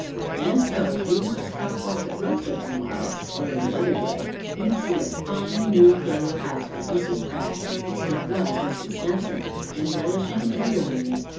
And so if you was to stop off at Rosa to morrow, or any other day, you'd see a fine new yellow house with Mrs. Pratt, that was Mrs. Sampson, embellishing and adorning it.